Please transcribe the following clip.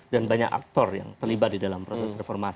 dan banyak aktor yang terlibat di dalam proses reformasi